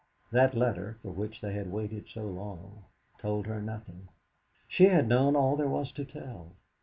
That letter, for which they had waited so long; told her nothing; she had known all there was to tell.